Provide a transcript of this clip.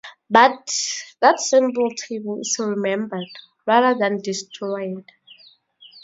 But that symbol table is remembered, rather than destroyed.